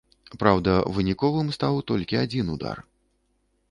Праўда, выніковым стаў толькі адзін удар.